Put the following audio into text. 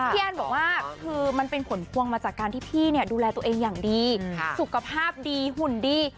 แอนบอกว่าคือมันเป็นผลพวงมาจากการที่พี่เนี่ยดูแลตัวเองอย่างดีสุขภาพดีหุ่นดี